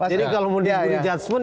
jadi kalau mau dijudge